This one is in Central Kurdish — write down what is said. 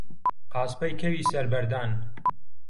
قاسپەی کەوی سەر بەردان